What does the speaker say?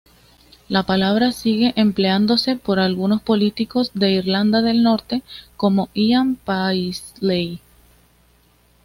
La palabra sigue empleándose por algunos políticos de Irlanda del Norte, como Ian Paisley.